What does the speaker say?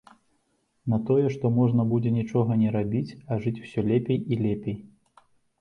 На тое, што можна будзе нічога не рабіць, а жыць усё лепей і лепей.